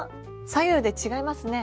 左右で違いますね。